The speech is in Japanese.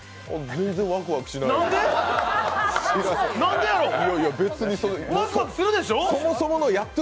全然ワクワクしない。